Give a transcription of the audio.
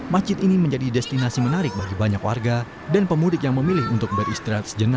masjid ini menjadi destinasi menarik bagi banyak warga dan pemudik yang memilih untuk beristirahat sejenak